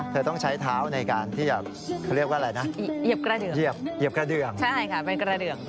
เธอก็ได้ใช้เท่าแบตให้เย็บกระเดือง